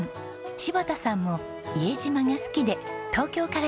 柴田さんも伊江島が好きで東京から移住した方です。